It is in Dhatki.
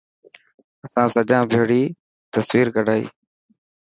اسان سجان ڀيڙي تصويرو ڪڌائي.